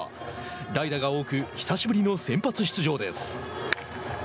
代打が多く久しぶりの先発出場です。